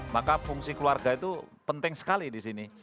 maka fungsi keluarga itu penting sekali di sini